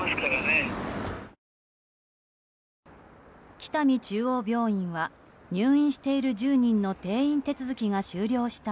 北見中央病院は入院している１０人の転院手続きが終了した